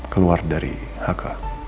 keluar dari hk